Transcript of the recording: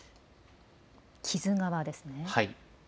木津川ですね。